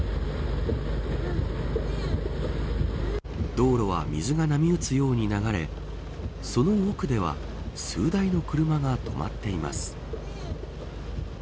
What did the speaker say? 道路は水が波打つように流れその奥では数台の車が止まっています。